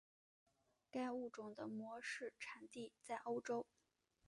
该物种的模式产地在欧洲。